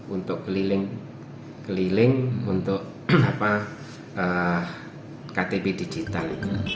untuk keliling untuk ktp digital